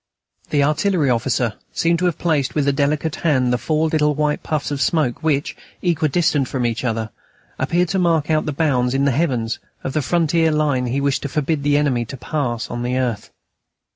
The artillery officer seemed to have placed with a delicate hand the four little white puffs of smoke which, equidistant from each other, appeared to mark out the bounds in the heavens of the frontier line he wished to forbid the enemy to pass on the earth.